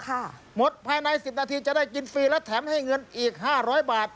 หมดภายในสิบนาทีจะได้กินฟรีและแถมให้เงินอีกห้าร้อยบาท